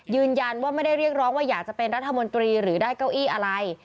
ยืนยันว่าไม่ได้เรียกร้องว่าอยากจะเป็นรัฐมนตรีหรือได้เก้าอี้อะไร